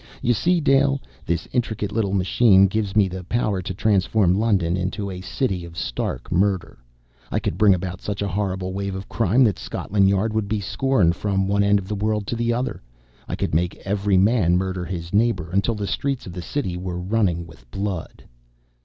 You see, Dale, this intricate little machine gives me the power to transform London into a city of stark murder. I could bring about such a horrible wave of crime that Scotland Yard would be scorned from one end of the world to the other. I could make every man murder his neighbor, until the streets of the city were running with blood!"